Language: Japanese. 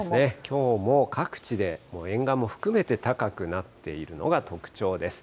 きょうも各地で沿岸も含めて高くなっているのが特徴です。